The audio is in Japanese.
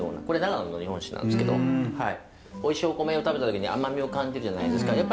これ長野の日本酒なんですけどおいしいお米を食べた時に甘みを感じるじゃないですか。